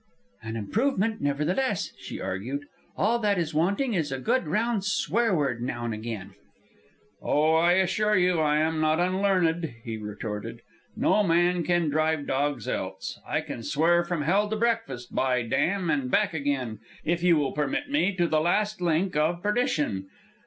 "An improvement, nevertheless," she argued. "All that is wanting is a good round swear word now and again." "Oh, I assure you I am not unlearned," he retorted. "No man can drive dogs else. I can swear from hell to breakfast, by damn, and back again, if you will permit me, to the last link of perdition.